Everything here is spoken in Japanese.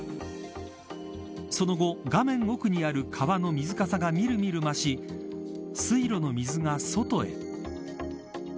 その後、画面奥にある川の水かさがみるみる増し水路の水が外へ。